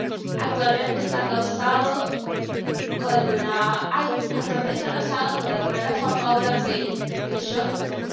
Actualmente esta casado con la coreógrafa Paula Peixoto.